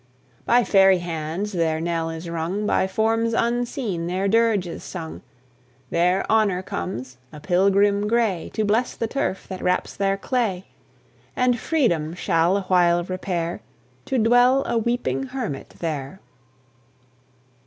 By fairy hands their knell is rung, By forms unseen their dirge is sung: There Honour comes, a pilgrim gray, To bless the turf that wraps their clay; And Freedom shall a while repair To dwell a weeping hermit there!